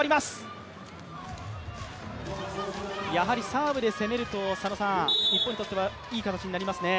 サーブで攻めると日本にとっては、いい形になりますね。